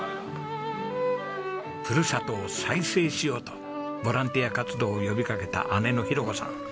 ふるさとを再生しようとボランティア活動を呼びかけた姉のひろ子さん。